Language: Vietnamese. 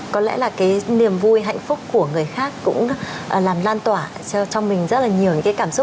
có lẽ là cái niềm vui hạnh phúc của người khác cũng làm lan tỏa trong mình rất là nhiều những cái cảm xúc